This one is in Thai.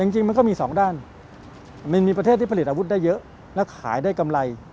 จริงมันก็มีสองด้านมันมีประเทศที่ผลิตอาวุธได้เยอะแล้วขายได้กำไร